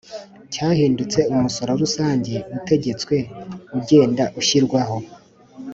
cyahindutse umusoro rusange utegetswe Ugenda ushyirwaho